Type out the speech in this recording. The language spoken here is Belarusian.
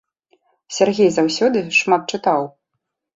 Сяргей заўсёды шмат чытаў.